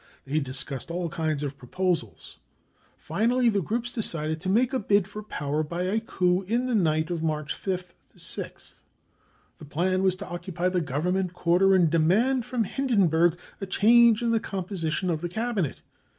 They discussed all kinds of proposals. Finally the groups decided to make a bid for power by a coup in the night of March gth 6th. The plan was to occupy the Government quarter and demand from Hindenburg a change in the composition of the Cabinet.